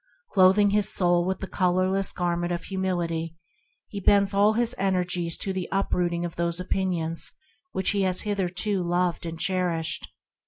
Clothing his soul with the colorless Garment of Humility, he bends all his en ergies to the uprooting of opinions hitherto loved and cherished.